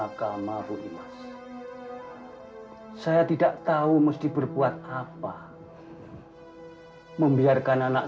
yang amat rahasia ini kepada sumbarang orang